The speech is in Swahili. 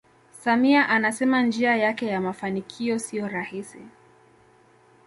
samia anasema njia yake ya mafanikio siyo rahisi